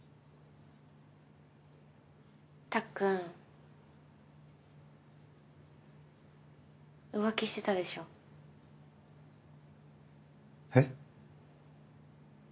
たっくん。浮気してたでしょ？え？